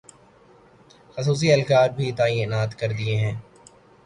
خصوصی اہلکار بھی تعینات کردیئے ہیں